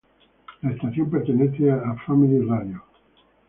La estación pertenece a Family Radio.